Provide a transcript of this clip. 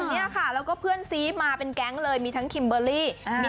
นี่ค่ะแล้วก็เพื่อนซีมาเป็นแก๊งเลยมีทั้งคิมเบอร์รี่